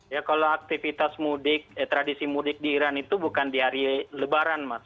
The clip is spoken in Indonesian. ya kalau aktivitas mudik tradisi mudik di iran itu bukan di hari lebaran mas